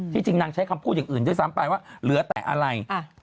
จริงนางใช้คำพูดอย่างอื่นด้วยซ้ำไปว่าเหลือแต่อะไร